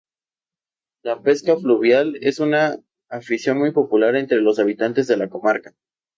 La pesca fluvial es una afición muy popular entre los habitantes de la comarca.